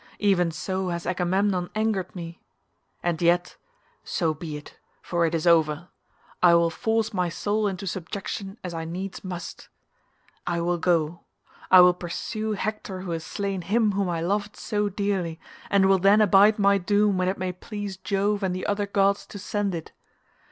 Even so has Agamemnon angered me. And yet—so be it, for it is over; I will force my soul into subjection as I needs must; I will go; I will pursue Hector who has slain him whom I loved so dearly, and will then abide my doom when it may please Jove and the other gods to send it.